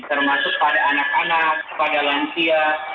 termasuk pada anak anak pada lansia